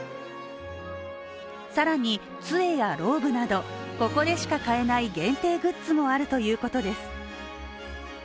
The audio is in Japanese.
更に、つえやローブなどここでしか買えない限定グッズもあるということです。